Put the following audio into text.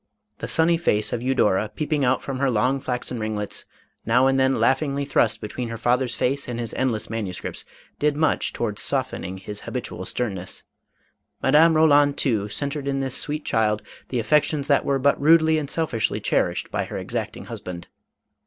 The sunny face of Eudora peeping out from her long flaxen ring lets, now and then laughingly thrust between her fa ther's face and his endless manuscripts, did much towards softening his habitual sternness. Madame Roland too, centred in this sweet child the affections that were but rudely and selfishly cherished by her exacting husband.